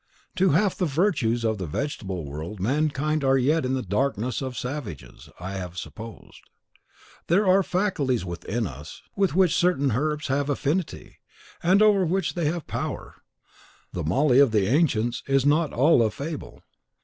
To half the virtues of the vegetable world mankind are yet in the darkness of the savages I have supposed. There are faculties within us with which certain herbs have affinity, and over which they have power. The moly of the ancients is not all a fable."